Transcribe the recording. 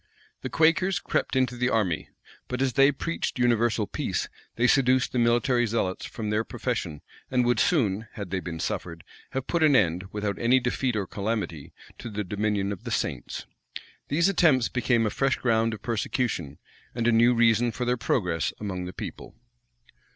The Quakers crept into the army; but as they preached universal peace, they seduced the military zealots from their profession, and would soon, had they been suffered, have put an end, without any defeat or calamity, to the dominion of the saints. These attempts became a fresh ground of persecution, and a new reason for their progress among the people.